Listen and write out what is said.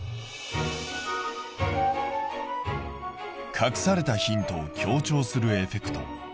隠されたヒントを強調するエフェクト。